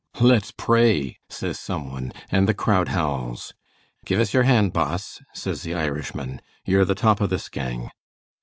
"'Let's pray,' says some one, and the crowd howls. 'Give us yer hand, Boss,' says the Irishman. 'Yer the top o' this gang.'